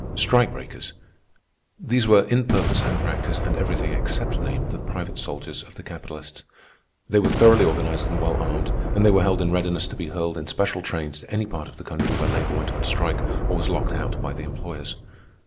Strike breakers—these were, in purpose and practice and everything except name, the private soldiers of the capitalists. They were thoroughly organized and well armed, and they were held in readiness to be hurled in special trains to any part of the country where labor went on strike or was locked out by the employers.